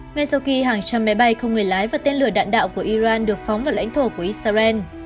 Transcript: ngay sau khi hàng trăm máy bay không người lái và tên lửa đạn đạo của iran được phóng vào lãnh thổ của israel